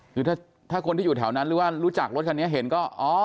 คือถ้าคนที่อยู่แถวนั้นหรือว่ารู้จักรถคันนี้เห็นก็อ๋อ